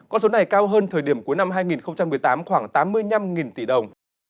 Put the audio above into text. con số này cao hơn thời điểm cuối năm hai nghìn một mươi tám khoảng tám mươi năm tỷ đồng